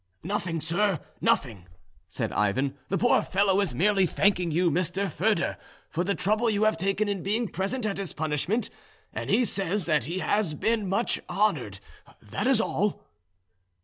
"Nothing, sir, nothing," said Ivan. "The poor fellow is merely thanking you, Mr. Foedor, for the trouble you have taken in being present at his punishment, and he says that he has been much honoured, that is all."